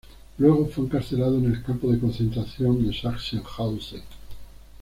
Luego fue encarcelado en el campo de concentración de Sachsenhausen.